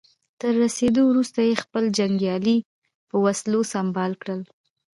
تر رسېدو وروسته يې خپل جنګيالي په وسلو سمبال کړل.